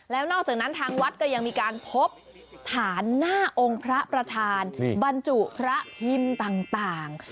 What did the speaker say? แล้วนอกจากนั้นทางวัดก็ยังมีการพบฐานหน้าองค์พระประธานบรรจุพระพิมพ์ต่าง